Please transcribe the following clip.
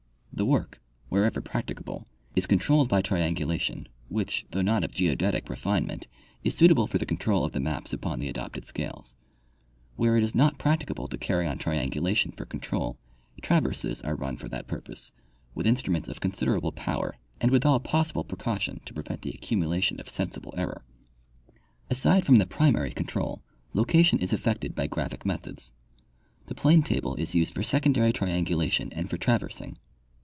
The work, wherever practicable, is controlled by triangula tion, which, though not of geodetic refinement, is suitable for the control of the maps upon the adopted scales. Where it is not practicable to carry on triangulation for control, traverses are run for that purpose with instruments of considerable power and with all possible precaution to prevent the accumulation of sensible error. Aside from the primary control, location is effected by graphic methods. The planetable is used for secondary triangulation and for traversing.